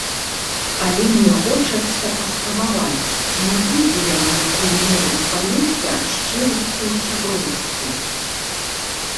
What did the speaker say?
Але мне хочацца паспрабаваць, ці не будзе яму якой-небудзь палёгкі ад шчырасці ў сяброўстве.